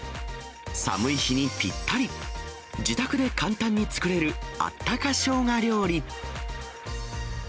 寒い日にぴったり、自宅で簡単に作れるあったかしょうが料理。